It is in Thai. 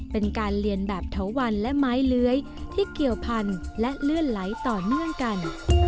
เป็นการเรียนแบบเถาวันและไม้เลื้อยที่เกี่ยวพันธุ์และเลื่อนไหลต่อเนื่องกัน